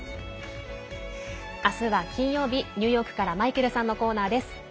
あすは金曜日、ニューヨークからマイケルさんのコーナーです。